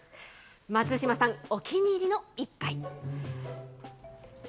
松島さん、お気に入りの一杯。